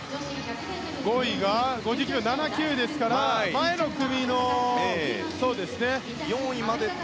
５位が５９秒７９ですから前の組の４位までと。